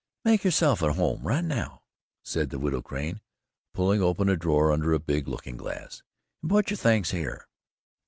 "Make yourself at home right now," said the Widow Crane, pulling open a drawer under a big looking glass "and put your things here.